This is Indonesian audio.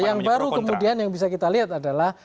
yang baru kemudian yang bisa kita lihat adalah